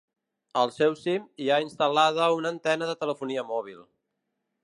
Al seu cim hi ha instal·lada una antena de telefonia mòbil.